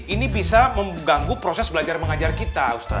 ini bisa mengganggu proses belajar mengajar kita